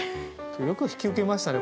よく引き受けましたね